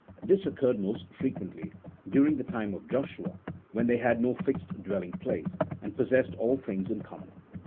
This occurred most frequently during the time of Joshua, when they had no fixed dwelling place, and possessed all things in common.